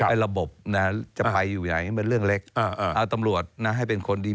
ระบบนะจะไปอยู่ไหนให้เป็นเรื่องเล็กเอาตำรวจนะให้เป็นคนดี